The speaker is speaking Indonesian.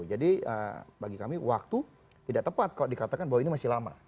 bagi kami waktu tidak tepat kalau dikatakan bahwa ini masih lama